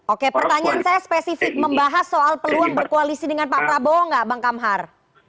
oke pertanyaan saya spesifik membahas soal peluang berkoalisi dengan pak prabowo nggak bang kamhar